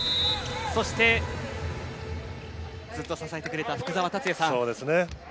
そして、ずっと支えてくれた福澤達哉さん。